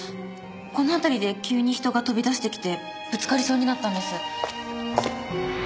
この辺りで急に人が飛び出してきてぶつかりそうになったんです。